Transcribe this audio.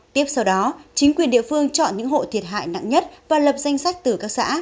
tiếp sau đó chính quyền địa phương chọn những hộ thiệt hại nặng nhất và lập danh sách từ các xã